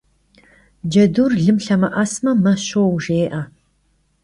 Cedur lım lhemı'esme «me şou» jjê'e.